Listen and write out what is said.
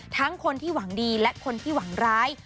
ทั้งคนที่หวังดีและคนที่หวังร้าย